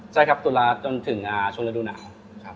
ใช่ครับตุลาจนถึงช่วงฤดูหนาวครับ